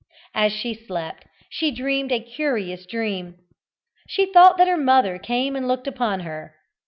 As she slept, she dreamed a curious dream. She thought that her mother came and looked upon her.